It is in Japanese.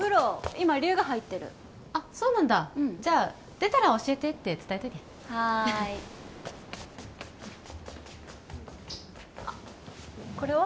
今龍が入ってるあっそうなんだじゃあ「出たら教えて」って伝えといてはいあっこれは？